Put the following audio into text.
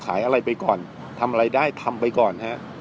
ขายอะไรไปก่อนทำอะไรได้ทำไปก่อนฮะ